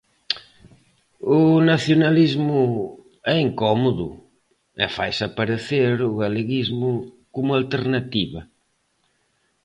O nacionalismo é incómodo e faise aparecer o galeguismo como alternativa.